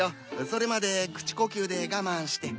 それまで口呼吸で我慢して。